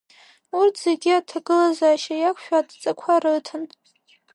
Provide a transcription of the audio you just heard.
Урҭ зегьы аҭагылазаашьа иақә-шәо адҵақәа рыҭан.